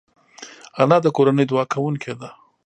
انا د کورنۍ دعا کوونکې ده